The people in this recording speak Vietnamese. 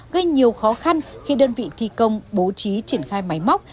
gây nhiều khó khăn khi đơn vị thi công bố trí triển khai máy móc